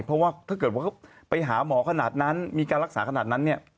เพราะว่าถ้าเกิดว่าเขาไปหาหมอขนาดนั้นมีการรักษาขนาดนั้นเนี่ย